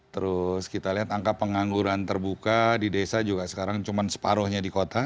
terus kita lihat angka pengangguran terbuka di desa juga sekarang cuma separuhnya di kota